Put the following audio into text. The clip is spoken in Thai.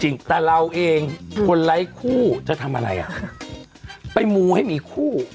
จริงแต่เราเองคนไร้คู่จะทำอะไรอ่ะไปมูให้มีคู่